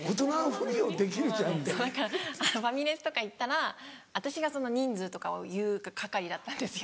ファミレスとか行ったら私が人数とかを言う係だったんですよ。